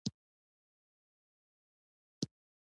زما د پلار ورور دلته دی